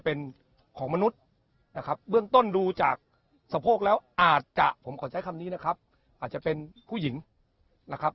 ผมขอใช้คำนี้นะครับอาจจะเป็นผู้หญิงนะครับ